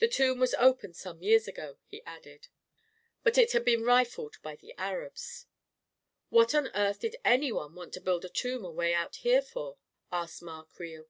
The tomb was opened some years ago," he added, " but it had been rifled by the Arabs." 44 What on earth did anyone want to build a tomb away out here for ?" asked Ma Creel.